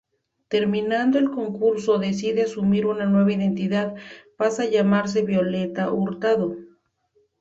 Terminado el concurso decide asumir una nueva identidad, pasa a llamarse Violeta Hurtado.